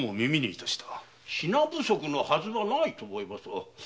品不足のはずはないと思いますが。